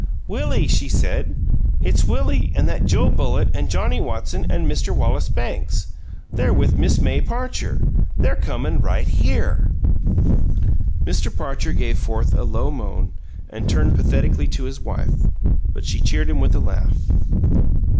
"Willie!" she said. "It's Willie an' that Joe Bullitt, an' Johnnie Watson, an' Mr. Wallace Banks. They're with Miss May Parcher. They're comin' right here!" Mr. Parcher gave forth a low moan, and turned pathetically to his wife, but she cheered him with a laugh.